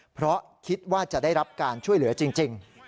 เพราะคิดว่าจะได้รับการช่วยเหลือจริง